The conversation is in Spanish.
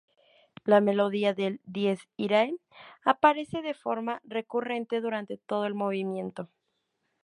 La melodía del "Dies Irae" aparece de forma recurrente durante todo el movimiento.